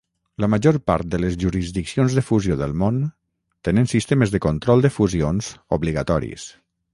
La major part de les jurisdiccions de fusió del món tenen sistemes de control de fusions obligatoris.